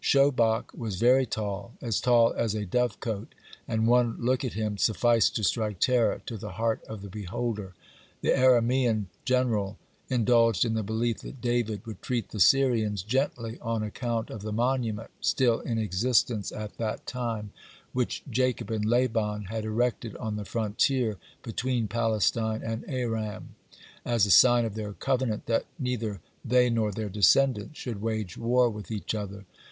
Shobach was very tall, as tall as a dove cote, and one look at him sufficed to strike terror to the heart of the beholder. (56) The Aramean general indulged in the belief that David would treat the Syrians gently on account of the monument, still in existence at that time, which Jacob and Laban had erected on the frontier between Palestine and Aram as a sign of their covenant that neither they nor their descendants should wage war with each other.